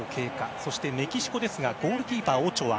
そして、メキシコですがゴールキーパーはオチョア。